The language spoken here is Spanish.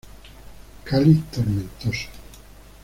Cáliz tomentoso.